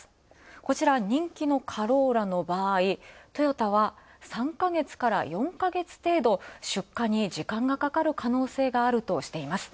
こちら人気のカローラの場合、トヨタは３か月から４か月程度、出荷に時間がかかる可能性があるとしています。